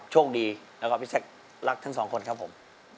โชคดีแล้วก็พี่แซครักทั้งสองคนครับผม